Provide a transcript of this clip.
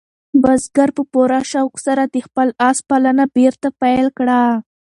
بزګر په پوره شوق سره د خپل آس پالنه بېرته پیل کړه.